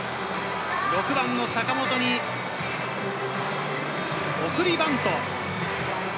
６番・坂本に送りバント。